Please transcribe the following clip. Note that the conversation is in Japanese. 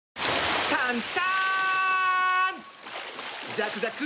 ザクザク！